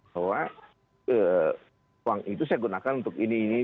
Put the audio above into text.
bahwa uang itu saya gunakan untuk ini ini